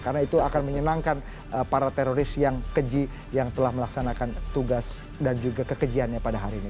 karena itu akan menyenangkan para teroris yang keji yang telah melaksanakan tugas dan juga kekejiannya pada hari ini